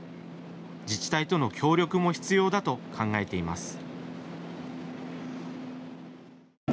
自治体との協力も必要だと考えています。